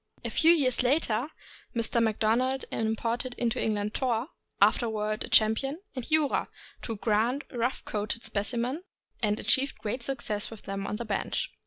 A few years later, Mr. Macdona imported into England Thor, afterward a champion, and Jura, two grand rough coated specimens, and achieved great success with them on the bench.